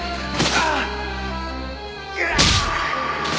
ああ！